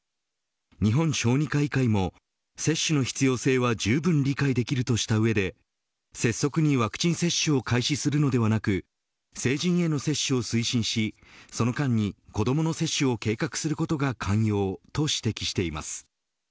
日本小児科医会も接種の必要性はじゅうぶん理解できるとした上で拙速にワクチン接種を開始するのではなく成人への接種を推進しその間に子どもの接種を計画することが肝要と指摘しています。